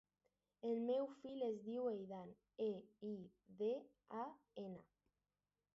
El meu fill es diu Eidan: e, i, de, a, ena.